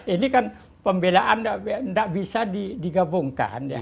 ini kan pembelaan nggak bisa digabungkan